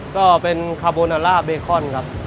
ก็เป็นคาโบนาล่าเบคอนครับ